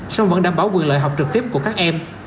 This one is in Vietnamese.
song vẫn đảm bảo quyền lợi học trực tiếp của các em